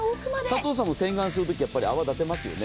佐藤さんも洗顔するとき、やっぱり泡立てますよね？